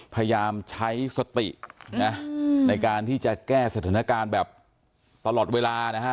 พยายามใช้สตินะในการที่จะแก้สถานการณ์แบบตลอดเวลานะฮะ